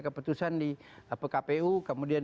keputusan di kpu kemudian